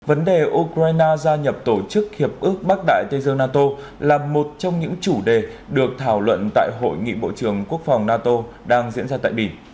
vấn đề ukraine gia nhập tổ chức hiệp ước bắc đại tây dương nato là một trong những chủ đề được thảo luận tại hội nghị bộ trưởng quốc phòng nato đang diễn ra tại bỉ